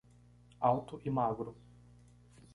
Alto e magro